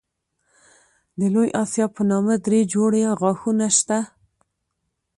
د لوی آسیاب په نامه دری جوړې غاښونه شته.